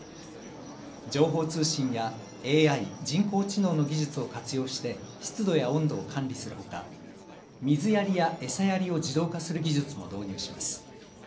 情報通信やＡＩ・人工知能の技術を活用して湿度や温度を管理するほか、水やりや餌やりを自動化する技術も導入します。